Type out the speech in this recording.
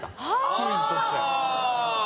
クイズとして。